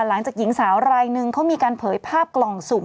หลังจากหญิงสาวรายหนึ่งเขามีการเผยภาพกล่องสุ่ม